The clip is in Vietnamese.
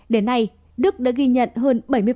đến nay đức đã ghi nhận hơn